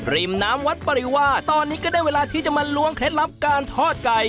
ริมน้ำวัดปริวาตอนนี้ก็ได้เวลาที่จะมาล้วงเคล็ดลับการทอดไก่